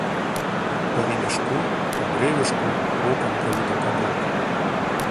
По ремешку, по бревешку боком проведу кобылку.